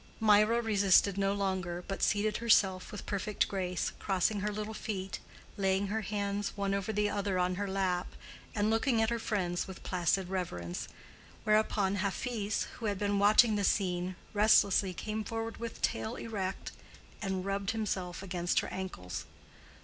Mirah resisted no longer, but seated herself with perfect grace, crossing her little feet, laying her hands one over the other on her lap, and looking at her friends with placid reverence; whereupon Hafiz, who had been watching the scene restlessly came forward with tail erect and rubbed himself against her ankles.